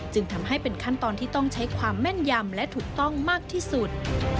จึงทำให้เป็นขั้นตอนที่ต้องใช้ความแม่นยำและถูกต้องมากที่สุด